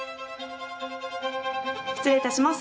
失礼いたします。